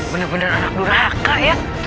bener bener anak nurhaka ya